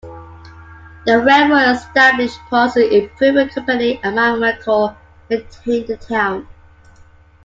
The railroad established Parsons Improvement Company and Myracle maintained the town.